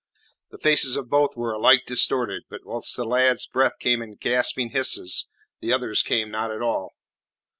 The faces of both were alike distorted, but whilst the lad's breath came in gasping hisses, the other's came not at all.